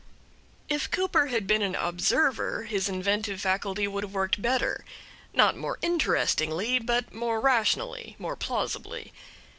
If Cooper had been an observer his inventive faculty would have worked better; not more interestingly, but more rationally, more plausibly.